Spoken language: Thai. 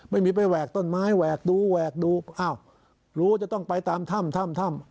ไม่มีไปแหวกต้นไม้แหวกดูแหวกดูอ้าวรู้จะต้องไปตามถ้ำถ้ำ